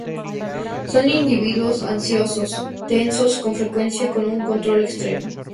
Son individuos ansiosos, tensos, con frecuencia con un control extremo.